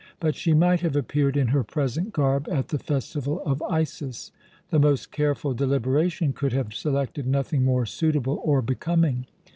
But she might have appeared in her present garb at the festival of Isis. The most careful deliberation could have selected nothing more suitable or becoming.